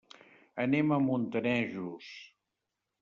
Anem a Montanejos.